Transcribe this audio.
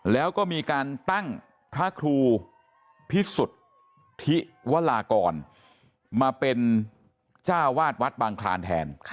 แล้วก็มีการตั้งพระครูพิสุทธิวรากรมาเป็นจ้าวาดวัดบางคลานแทน